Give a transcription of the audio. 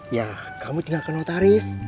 ya kamu tinggalkan notaris